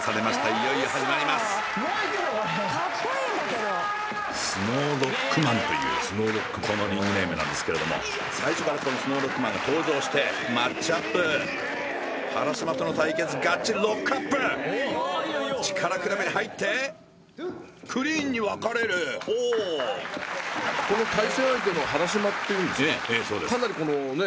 いよいよ始まりますスノーロックマンというこのリングネームなんですけれども最初からこのスノーロックマンが登場してマッチアップ力比べに入ってクリーンに分かれるおおこの対戦相手のＨＡＲＡＳＨＩＭＡっていうんですかかなりこのね